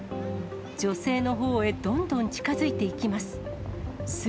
女性のほうへどんどん近づいていきます。